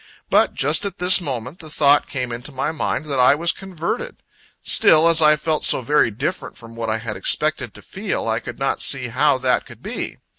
But, just at this moment, the thought came into my mind, that I was converted; still, as I felt so very different from what I had expected to feel, I could not see how that could be.